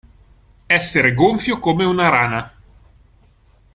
Essere gonfio come una rana.